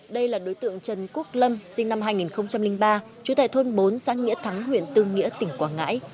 đây là đối tượng trần quốc lâm sinh năm hai nghìn ba chú tài thôn bốn giang nghĩa thắng huyện tương nghĩa tỉnh quảng ngãi